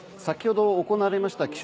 先ほど、行われました